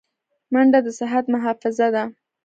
منډه د صحت محافظه ده